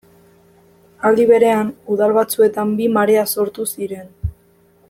Aldi berean, udal batzuetan bi marea sortu ziren.